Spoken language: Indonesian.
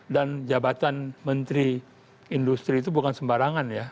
dan jabatan menteri industri itu bukan sembarangan ya